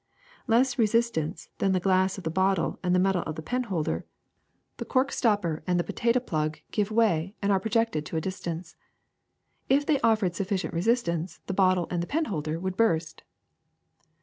Less resistant than the glass of the bottle and the metal of the penholder, the cork stopper and the po THE FORCE OF STEAM 363 tato plug give way and are projected to a distance. If they offered sufficient resistance, the bottle and the penholder would burst.